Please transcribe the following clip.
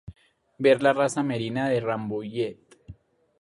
Ver la raza Merina de Rambouillet.